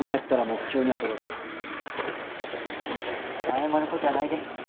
謝ることやないで。